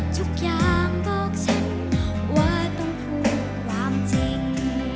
ทุกอย่างบอกฉันว่าต้องพูดความจริง